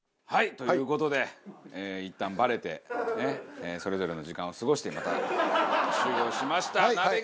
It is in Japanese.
という事でいったんバレてそれぞれの時間を過ごしてまた集合しました。